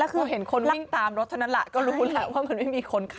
คือเห็นคนวิ่งตามรถเท่านั้นแหละก็รู้แหละว่ามันไม่มีคนขับ